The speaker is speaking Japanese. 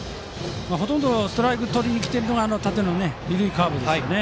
ほとんどストライクをとりに来ているのはあの縦の緩いカーブですよね。